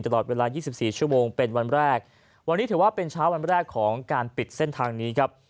ตลอดเวลายี่สิบสี่ชั่วโมงเป็นวันแรกวันนี้ถือว่าเป็นเช้าวันแรกของการปิดเส้นทางนี้ครับ